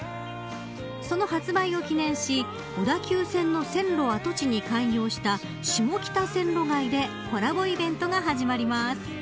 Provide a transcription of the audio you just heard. その発売を記念し小田急線の線路跡地に開業した下北線路街でコラボイベントが始まります。